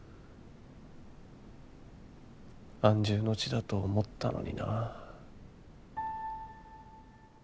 安住の地だと思ったのにな。